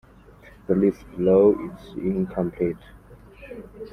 The list below is incomplete.